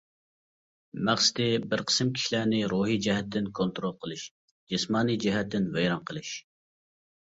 مەقسىتى بىر قىسىم كىشىلەرنى روھىي جەھەتتىن كونترول قىلىش، جىسمانىي جەھەتتىن ۋەيران قىلىش.